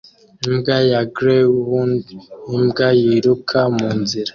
imbwa ya greyhound imbwa yiruka munzira